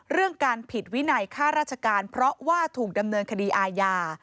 เรื่องการผิดวินัยค่าราชการเพราะว่าถูกดำเนินคดีอาญา